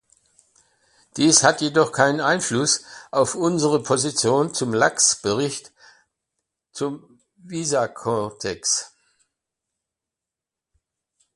Dies hat jedoch keinen Einfluss auf unsere Position zum Lax-Bericht zum Visakodex.